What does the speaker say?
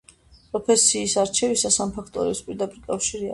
პროფესიის არჩევასთან ამ ფაქტორების პირდაპირი კავშირი აქვთ.